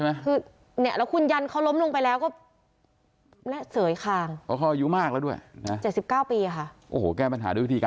ในแหน่งหน้าคุณยั้นเขาร้บไปแล้วก็เสยอ